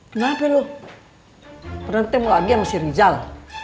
kenapa lo pernah ketemu lagi sama si rizal